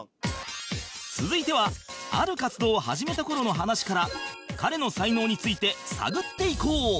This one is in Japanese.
続いてはある活動を始めた頃の話から彼の才能について探っていこう